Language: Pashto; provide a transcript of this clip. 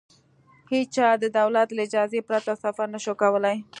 هېچا د دولت له اجازې پرته سفر نه شوای کولای.